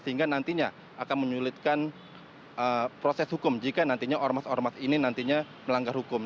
sehingga nantinya akan menyulitkan proses hukum jika nantinya ormas ormas ini nantinya melanggar hukum